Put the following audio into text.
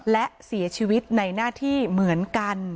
และเสียชีวิตในหน้าที่เหมือนกัน